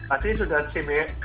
artinya sudah simik